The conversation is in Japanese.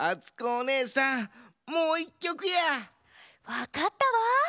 わかったわ！